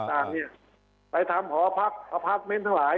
ไม่มีสิทธิ์ไปเก็บเขาเช้าแล้ว